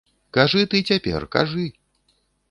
Кажы ты цяпер, кажы.